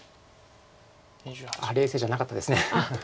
あっ冷静じゃなかったです。